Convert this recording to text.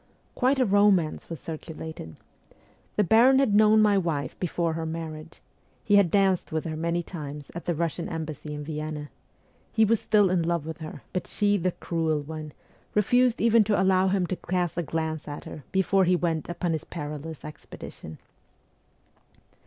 Quite a romance was circu lated. ' The baron had known my wife before her marriage. He had danced with her many times at the Kussian embassy in Vienna. He was still in love with her, but she, the cruel one, refused even to allow him to cast a glance at her before he went upon his perilous expedition.